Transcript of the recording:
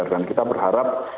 dan kita berharap